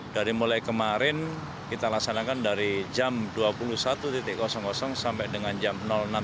dari mulai kemarin kita laksanakan dari jam dua puluh satu sampai dengan jam enam